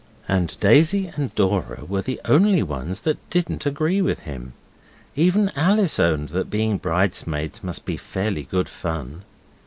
And Daisy and Dora were the only ones that didn't agree with him. Even Alice owned that being bridesmaids must be fairly good fun.